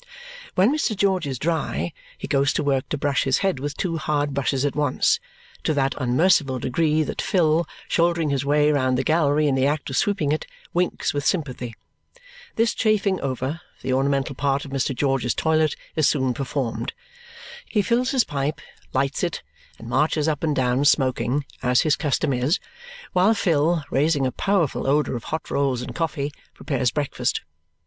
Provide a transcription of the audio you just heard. When Mr. George is dry, he goes to work to brush his head with two hard brushes at once, to that unmerciful degree that Phil, shouldering his way round the gallery in the act of sweeping it, winks with sympathy. This chafing over, the ornamental part of Mr. George's toilet is soon performed. He fills his pipe, lights it, and marches up and down smoking, as his custom is, while Phil, raising a powerful odour of hot rolls and coffee, prepares breakfast.